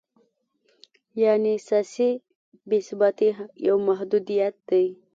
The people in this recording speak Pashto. یعنې سیاسي بې ثباتي یو محدودیت دی.